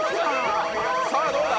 さぁどうだ？